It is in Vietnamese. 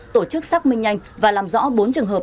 tổ chức xác minh nhanh và làm rõ bốn trường hợp